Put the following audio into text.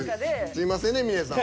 すいませんね峯さん。